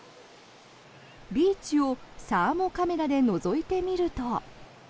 ビーチをサーモカメラでのぞいてみると。